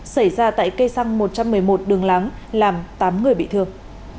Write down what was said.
xảy ra tại cây xăng một trăm một mươi một đường láng làm tám người bị thương